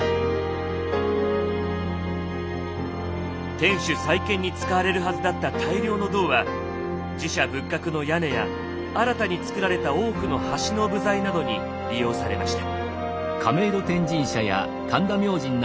天守再建に使われるはずだった大量の銅は寺社仏閣の屋根や新たに造られた多くの橋の部材などに利用されました。